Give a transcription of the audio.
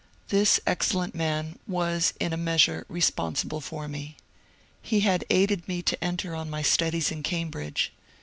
This excellent man was in a measure responsible for me. He had aided me to enter on my studies in Cambridge.